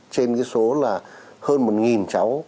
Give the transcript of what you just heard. trên cái số là hơn một cháu